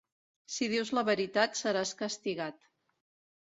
Si dius la veritat seràs castigat.